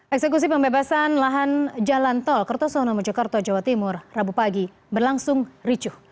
eksekusi pembebasan lahan jalan tol kertosono mojokerto jawa timur rabu pagi berlangsung ricuh